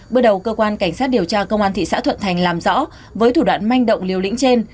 bước đầu cơ quan cảnh sát điều tra công an thị xã thuận thành làm rõ với thủ đoạn manh động liều lĩnh trên